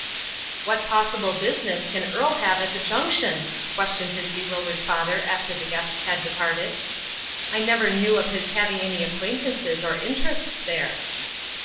"What possible business can Earle have at the junction?'' questioned his bewildered father after the guests had departed. "I never knew of his having any acquaintances or inter ests there."